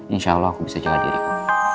insya allah aku bisa jaga diriku